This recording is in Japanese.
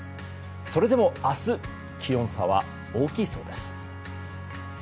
それでも明日気温差は大きいそうです。